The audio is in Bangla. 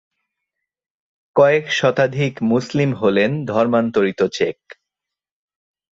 কয়েক শতাধিক মুসলিম হলেন ধর্মান্তরিত চেক।